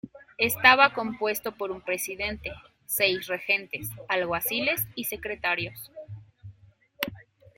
Estaba compuesto por un presidente, seis regentes, alguaciles y secretarios.